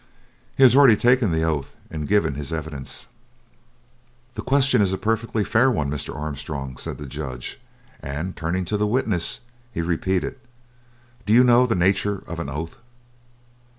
He has already taken the oath and given his evidence." "The question is a perfectly fair one, Mr. Armstrong," said the Judge: and turning to the witness he repeated: "Do you know the nature of an oath?"